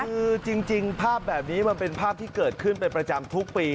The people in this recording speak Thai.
คือจริงภาพแบบนี้มันเป็นภาพที่เกิดขึ้นเป็นประจำทุกปี